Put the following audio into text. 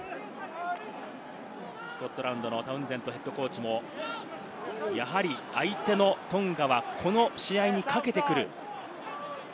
スコットランドのタウンゼンドＨＣもやはり相手のトンガはこの試合にかけてくる。